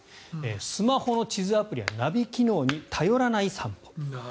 スマホの地図アプリやナビ機能に頼らない散歩。